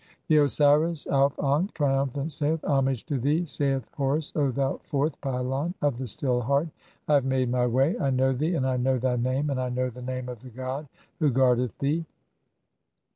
IV. (i3) The Osiris Auf ankh, triumphant, saith: — "Homage to thee, saith Horus, O thou fourth pylon of the "Still Heart. I have made [my] way. I know thee, and I know "thy name, and I know the name of the god (14) who guardeth "thee.